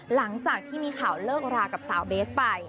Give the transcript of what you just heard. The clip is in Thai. หลังจากที่มีข่าวเลิกรากับสาวเบสไป